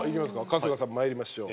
春日さん参りましょう。